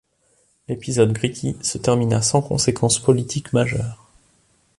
L’épisode Gritti se termina sans conséquences politiques majeures.